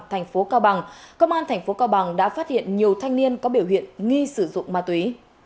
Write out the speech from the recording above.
thành phố cao bằng công an thành phố cao bằng đã phát hiện nhiều thanh niên có biểu hiện nghi sử dụng ma túy